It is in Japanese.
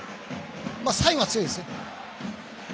サイドが強いですね。